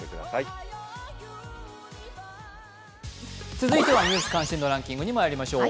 続いては「ニュース関心度ランキング」にまいりましょう。